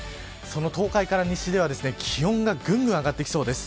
東海から西では気温がぐんぐん上がってきそうです。